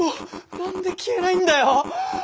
何で消えないんだよ！